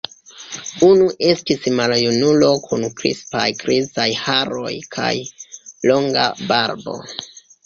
Unu estis maljunulo kun krispaj grizaj haroj kaj longa barbo.